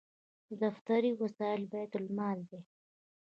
دفتري وسایل بیت المال دي